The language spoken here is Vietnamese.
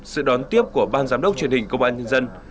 sự đón tiếp của ban giám đốc truyền hình công an nhân dân